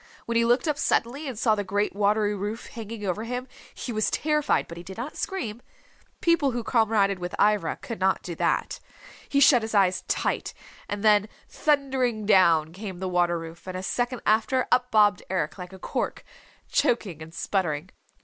When he looked up suddenly and saw the great watery roof hanging over him, he was terrified but he did not scream. People who comraded with Ivra could not do that. He shut his eyes tight, and then thundering down came the water roof, and a second after, up bobbed Eric like a cork, choking and sputtering.